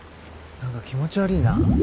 何か気持ち悪いな。